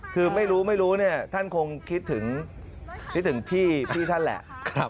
คือไม่รู้นี่ท่านคงคิดถึงพี่ท่านแหละ